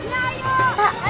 oh nggak jadi